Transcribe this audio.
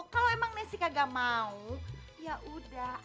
kalau emang nessy kagak mau yaudah